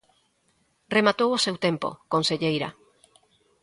Rematou o seu tempo, conselleira.